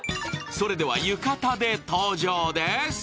それでは浴衣で登場です。